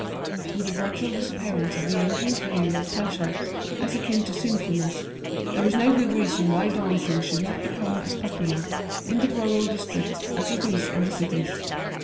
With the gradual disappearance of the ancient view of pleasure as akin to sinfulness, there is no good reason why dancing should not become as popular in the rural districts as it is in the cities.